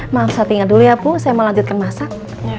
maaf saya tinggal dulu ya bu saya mau lanjutkan masak